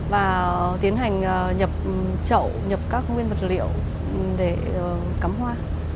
và tiến hành nhập trậu nhập các nguyên vật liệu để cắm hoa